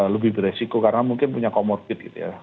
lebih beresiko karena mungkin punya komorbid